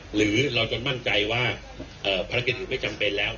หรือเราจะมั่นใจว่าภารกิจอื่นไม่จำเป็นแล้ว